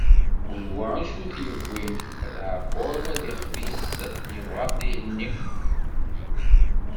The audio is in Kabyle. Kul wa acu i t-yewwin, wa d aɛebbuḍ, wa d ixef-is yebɣa ad t-ihenni.